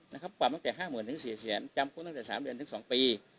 นะครับปรับตั้งแต่ห้าหมื่นถึงสี่แสนจำคุณตั้งแต่สามเดือนถึงสองปี